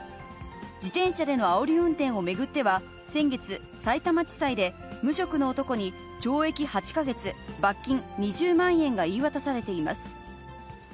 自転車でのあおり運転を巡っては、先月、さいたま地裁で、無職の男に懲役８か月、罰金２０万円が言い渡されています。